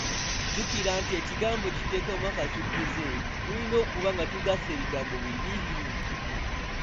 Jjukira nti ekigambo kye tuteekamu akasukkize, tulina okuba nga tugasse ebigambo bibiri.